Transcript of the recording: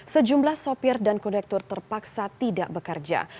sejumlah sopir dan konektor terpaksa tidak bekerja